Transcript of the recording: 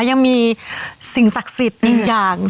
ยังมีสิ่งศักดิ์สิทธิ์อีกอย่าง